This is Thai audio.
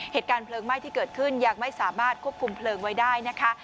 เหตุการณ์เพลิงไหม้ที่เกิดขึ้นยังไม่สามารถควบคุมเพลิงไว้ได้นะคะ